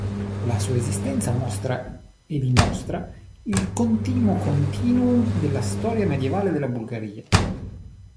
La sua esistenza mostra e dimostra il continuo continuum della storia medievale della Bulgaria.